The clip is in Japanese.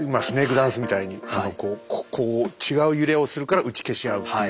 ダンスみたいにこう違う揺れをするから打ち消し合うっていう。